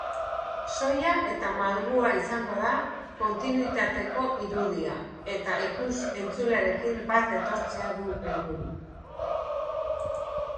Soila eta malgua izango da kontinuitateko irudia eta ikus-entzulearekin bat etortzea du helburu.